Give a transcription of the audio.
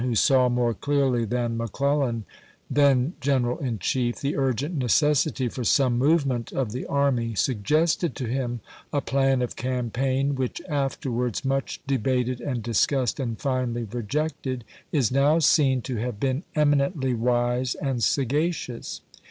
who saw more clearly than McClellan, then general in chief, the urgent necessity for some movement of the army, suggested to him a plan of campaign which, afterwards much debated and discussed and finally rejected, is now seen to have been eminently wise and sagacious.